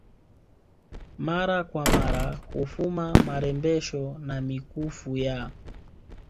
mara kwa mara hufuma marembesho na mikufu ya